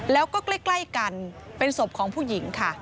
แล้วก็ใกล้กันเป็นศพของผู้หญิงค่ะ